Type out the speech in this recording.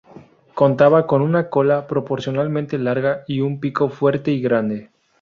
Contaba con una cola proporcionalmente larga y un pico fuerte y grande.